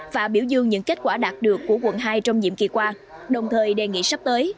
và biểu dương những kết quả đạt được của quận hai trong nhiệm kỳ qua đồng thời đề nghị sắp tới